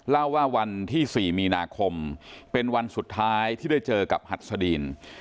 เล่าว่าวันที่๔มีนาคมเป็นวันสุดท้ายที่ได้เจอกับหัดสดีน